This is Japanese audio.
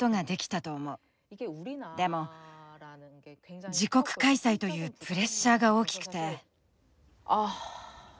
でも自国開催というプレッシャーが大きくて。